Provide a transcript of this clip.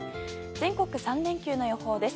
全国３連休の予報です。